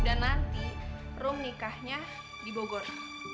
dan nanti rung nikahnya di bogor